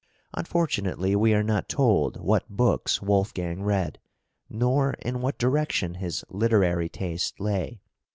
Unfortunately we are not told what books Wolfgang read, nor in what direction his literary taste lay.